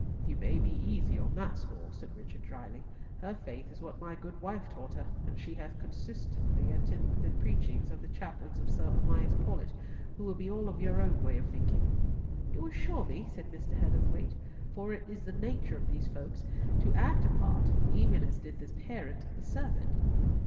"You may be easy on that score," said Richard drily. "Her faith is what my good wife taught her, and she hath constantly attended the preachings of the chaplains of Sir Amias Paulett, who be all of your own way of thinking." "You assure me?" said Mr. Heatherthwayte, "for it is the nature of these folk to act a part, even as did the parent the serpent."